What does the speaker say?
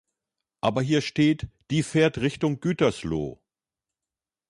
Aber hier steht, die fährt Richtung Gütersloh.